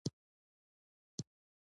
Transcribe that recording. سپین ترموز ډېر غوره دی .